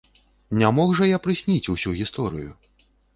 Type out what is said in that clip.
Не мог жа я прысніць усю гісторыю.